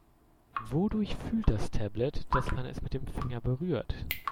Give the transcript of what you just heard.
Wodurch fühlt das Tablet, dass man es mit dem Finger berührt?